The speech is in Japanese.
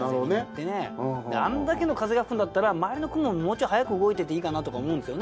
あんだけの風が吹くんだったら周りの雲ももうちょい速く動いてていいかなとか思うんです。